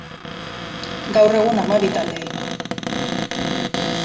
Gaur egun hamabi talde ditu.